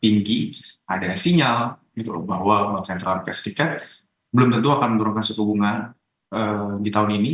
tinggi ada sinyal bahwa bank sentral amerika serikat belum tentu akan menurunkan suku bunga di tahun ini